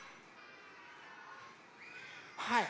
はい。